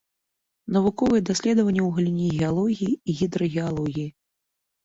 Навуковыя даследаванні ў галіне геалогіі і гідрагеалогіі.